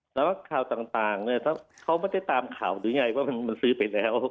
แต่ว่าข่าวต่างเนี่ยถ้าเขาไม่ได้ตามข่าวหรือไงว่ามันซื้อไปแล้ว